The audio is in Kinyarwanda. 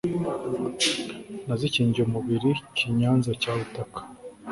nazikingiye umubiri Kinyanza cya Butaka